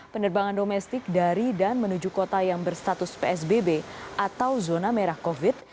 penerbangan domestik dari dan menuju kota yang berstatus psbb atau zona merah covid